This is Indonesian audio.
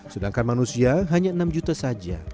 sedangkan manusia hanya enam juta saja